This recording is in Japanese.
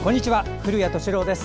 古谷敏郎です。